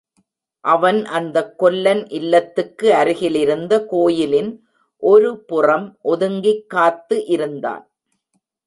அவன் அந்தக் கொல்லன் இல்லத்துக்கு அருகில் இருந்த கோயிலின் ஒரு புறம் ஒதுங்கிக் காத்து இருந்தான்.